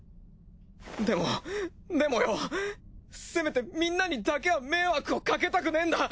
でもでもよせめてみんなにだけは迷惑をかけたくねえんだ！